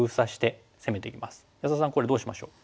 安田さんこれどうしましょう？